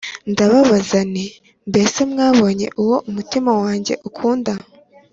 Ndabaza nti “Mbese mwabonye uwo umutima wanjye ukunda?”